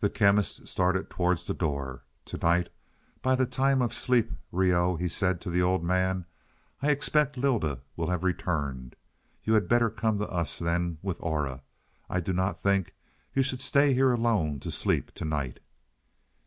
The Chemist started towards the door. "To night, by the time of sleep, Reoh," he said to the old man, "I expect Lylda will have returned. You had better come to us then with Aura. I do not think you should stay here alone to sleep to night."